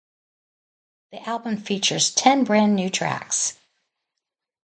The album features ten brand new tracks.